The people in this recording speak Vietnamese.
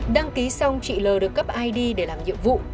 đăng ký xong chị l được cấp id để làm nhiệm vụ